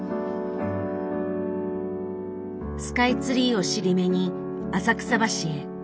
スカイツリーを尻目に浅草橋へ。